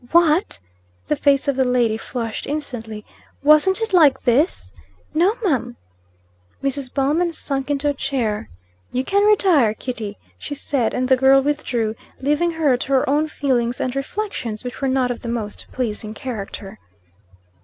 "What!" The face of the lady flushed instantly. "Wasn't it like this?" "No, mum." Mrs. Ballman sunk into a chair. "You can retire, Kitty," she said, and the girl withdrew, leaving her to her own feelings and reflections, which were not of the most pleasing character.